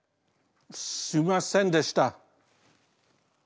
すみませんでした。